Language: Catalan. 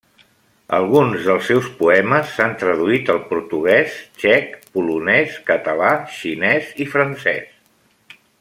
Alguns dels seus poemes s'han traduït al portuguès, txec, polonès, català, xinès i francès.